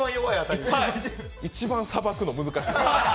一番さばくの難しい。